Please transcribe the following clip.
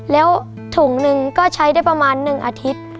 แล้วถุงหนึ่งก็ใช้ได้ประมาณ๑อาทิตย์